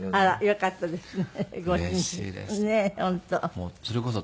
よかったですね。